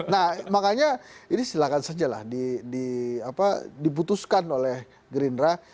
nah makanya ini silahkan saja lah diputuskan oleh gerindra